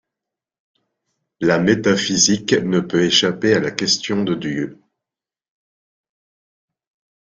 La métaphysique ne peut échapper à la question de Dieu.